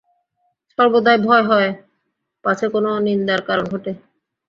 সর্বদাই ভয় হয় পাছে কোনো নিন্দার কারণ ঘটে।